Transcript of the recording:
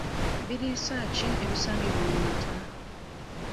Biriisa ki ebisangibwa mu mata?